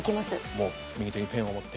もう右手にペンを持って。